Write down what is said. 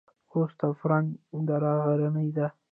خوست او فرنګ دره غرنۍ ده؟